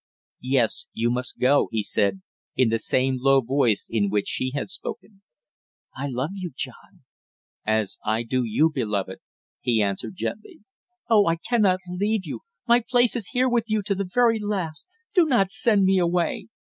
"Yes, you must go," he said, in the same low voice in which she had spoken. "I love you, John " "As I do you, beloved " he answered gently. "Oh, I can not leave you! My place is here with you to the very last do not send me away!"